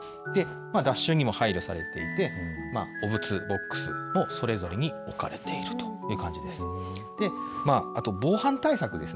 脱臭にも配慮されていて、汚物ボックスもそれぞれに置かれているという感じです。